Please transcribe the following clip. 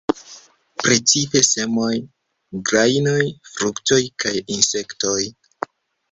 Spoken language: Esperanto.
Precipe semoj, grajnoj, fruktoj kaj insektoj.